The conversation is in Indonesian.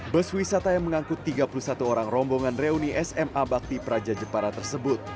bus wisata yang mengangkut tiga puluh satu orang rombongan reuni sma bakti praja jepara tersebut